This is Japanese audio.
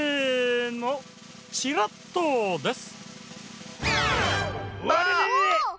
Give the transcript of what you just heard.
せのチラッとです！